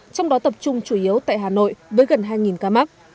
trong đó tập trung chủ yếu tại hà nội với gần hai ca mắc